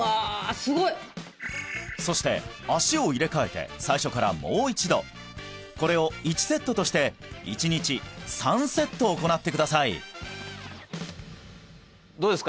すごいそして足を入れ替えて最初からもう一度これを１セットとして１日３セット行ってくださいどうですか？